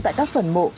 tại các phần mộ